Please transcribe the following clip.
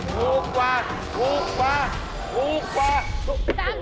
ถูกกว่าต้องถูกกว่า